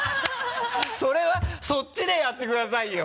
それはそっちでやってくださいよ！